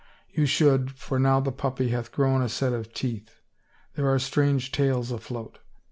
" You should, for now the puppy hath grown a set of teeth. There are strange tales afloat.